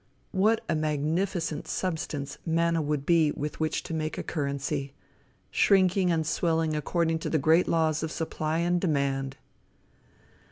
What a magnificent substance manna would be with which to make a currency shrinking and swelling according to the great laws of supply and demand!